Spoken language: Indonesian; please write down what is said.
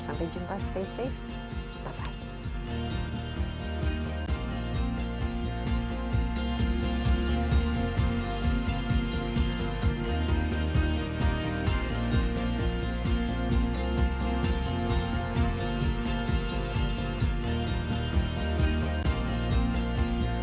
sampai jumpa stay safe bye bye